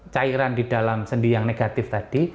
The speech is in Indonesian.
cairan di dalam sendi yang negatif tadi